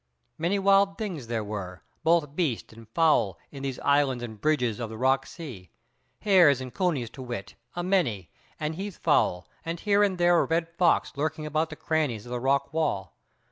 Many wild things there were, both beast and fowl, in these islands and bridges of the rock sea, hares and conies to wit, a many, and heathfowl, and here and there a red fox lurking about the crannies of the rock wall.